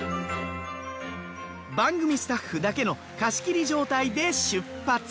番組スタッフだけの貸し切り状態で出発。